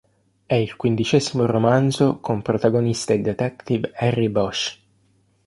È il quindicesimo romanzo con protagonista il detective Harry Bosch.